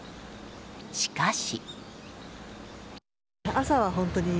しかし。